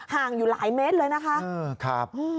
ห่างอยู่หลายเมตรเลยนะคะ